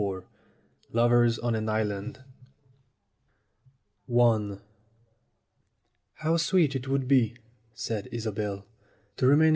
XXIV LOVERS ON AN ISLAND TOW sweet it would be," said Isobel, "to remain | J.